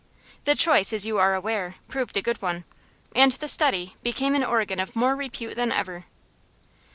The choice, as you are aware, proved a good one, and The Study became an organ of more repute than ever.